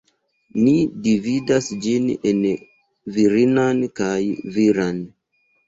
Ni dividas ĝin en virinan kaj viran.